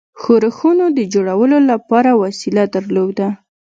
ښورښونو د جوړولو لپاره وسیله درلوده.